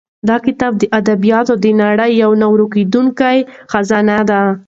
دا کتاب د ادبیاتو د نړۍ یوه نه ورکېدونکې خزانه ده.